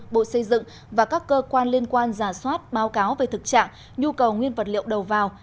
bộ xây dựng và các cơ quan liên quan giả soát báo cáo về thực trạng nhu cầu nguyên vật liệu đầu vào